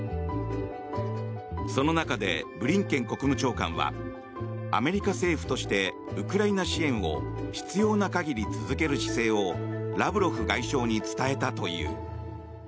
その中で、ブリンケン国務長官はアメリカ政府としてウクライナ支援を必要な限り続ける姿勢をラブロフ外相に伝えたという。